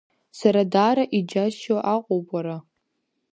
Сара даара иџьасшьо акоуп, уара…